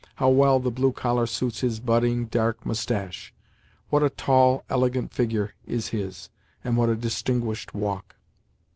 How well the blue collar suits his budding, dark moustache! What a tall, elegant figure is his, and what a distinguished walk!